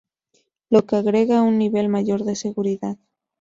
Lo que agrega un nivel mayor de seguridad.